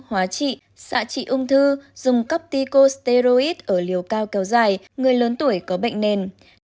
hóa trị xạ trị ung thư dùng cấp tico steroid ở liều cao kéo dài người lớn tuổi có bệnh nền